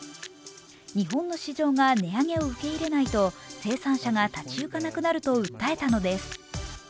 日本の市場が値上げを受け入れないと生産者が立ち行かなくなると訴えたのです。